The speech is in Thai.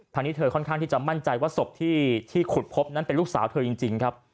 นี้เธอค่อนข้างที่จะมั่นใจว่าศพที่ขุดพบนั้นเป็นลูกสาวเธอจริงครับ